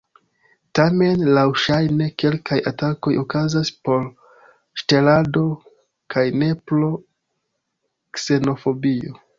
Tamen laŭŝajne kelkaj atakoj okazas por ŝtelado kaj ne pro ksenofobio.